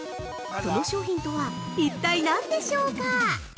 その商品とは一体、何でしょうか？